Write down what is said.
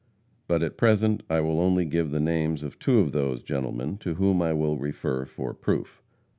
But at present I will only give the names of two of those gentlemen to whom I will refer for proof.